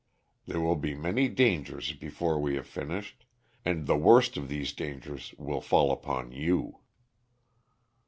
There will be many dangers before we have finished, and the worst of these dangers will fall upon you."